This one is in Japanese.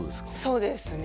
そうですね